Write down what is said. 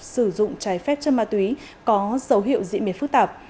sử dụng trái phép chân ma túy có dấu hiệu diễn biến phức tạp